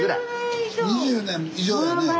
２０年以上やね。